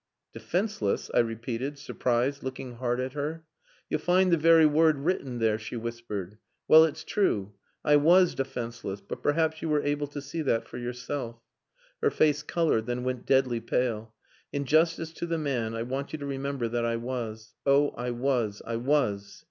"Defenceless!" I repeated, surprised, looking hard at her. "You'll find the very word written there," she whispered. "Well, it's true! I was defenceless but perhaps you were able to see that for yourself." Her face coloured, then went deadly pale. "In justice to the man, I want you to remember that I was. Oh, I was, I was!"